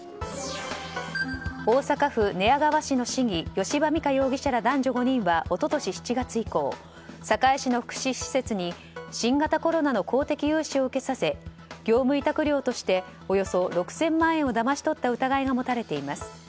大阪府寝屋川市の市議吉羽美華容疑者ら男女５人は一昨年７月以降堺市の福祉施設に新型コロナの公的融資を受けさせ業務委託料としておよそ６０００万円をだまし取った疑いが持たれています。